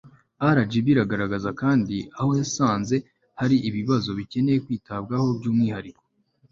rgb iragaragaza kandi aho yasanze hari ibibazo bikeneye kwitabwaho by'umwihariko